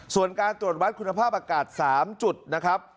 ส่วนการตรวจวัดคุณภาพอากาศ๓จุดนะครับ